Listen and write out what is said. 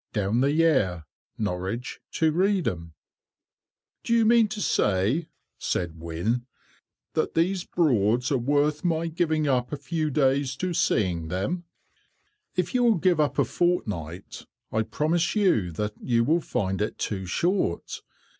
DOWN THE YARE. NORWICH TO REEDHAM. [Picture: Decorative drop capital] "Do you mean to say," said Wynne, "that these Broads are worth my giving up a few days to seeing them?" "If you will give up a fortnight, I promise you that you will find it too short.